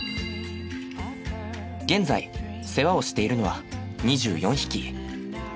現在世話をしているのは２４匹。